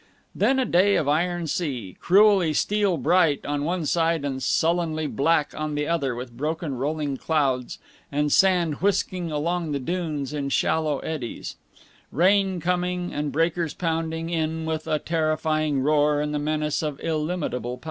Then a day of iron sea, cruelly steel bright on one side and sullenly black on the other, with broken rolling clouds, and sand whisking along the dunes in shallow eddies; rain coming and the breakers pounding in with a terrifying roar and the menace of illimitable power.